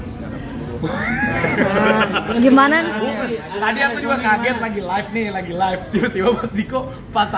serius ini gimana sih mas